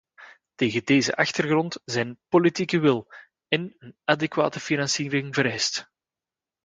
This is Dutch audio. Tegen deze achtergrond zijn politieke wil en een adequate financiering vereist.